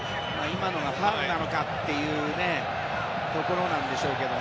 今のがファウルなのかというところでしょうけど。